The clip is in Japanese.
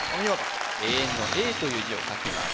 永遠の「永」という字を書きます